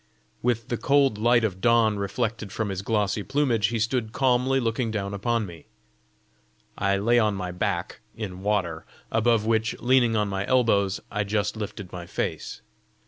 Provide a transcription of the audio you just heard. With the cold light of the dawn reflected from his glossy plumage, he stood calmly looking down upon me. I lay on my back in water, above which, leaning on my elbows, I just lifted my face.